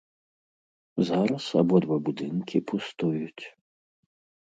Зараз абодва будынкі пустуюць.